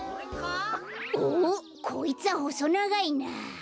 おっこいつはほそながいなあ。